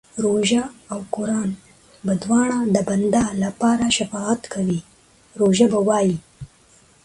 روژه او قران به دواړه د بنده لپاره شفاعت کوي، روژه به وايي